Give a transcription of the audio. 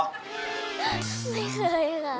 ไม่เคยอท